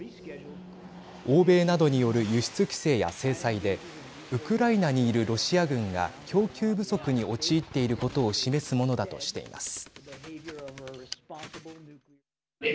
欧米などによる輸出規制や制裁でウクライナにいるロシア軍が供給不足に陥っていることを示すものだとしています。